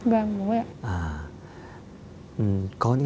vâng đúng rồi ạ